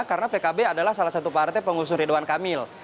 karena pkb adalah salah satu partai pengusung ridwan kamil